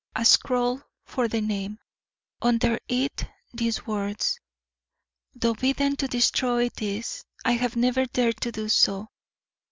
[A scrawl for the name.] Under it these words: Though bidden to destroy this, I have never dared to do so.